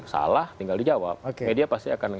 salah tinggal dijawab media pasti akan